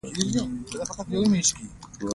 له مخې حیا یې پر خپلو پټو عضلاتو لاس ونیو.